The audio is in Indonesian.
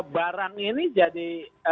barang ini jadi